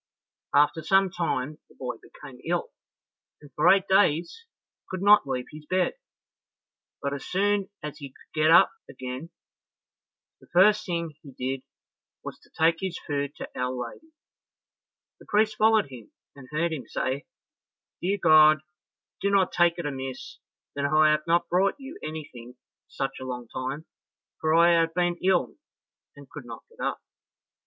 After some time the boy became ill, and for eight days could not leave his bed; but as soon as he could get up again, the first thing he did was to take his food to Our Lady. The priest followed him, and heard him say, "Dear God, do not take it amiss that I have not brought you anything for such a long time, for I have been ill and could not get up."